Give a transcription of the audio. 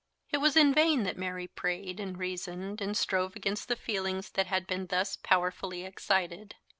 It was in vain that Mary prayed and reasoned and strove against the feelings that had been thus powerfully excited.